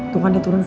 tuh kan diturun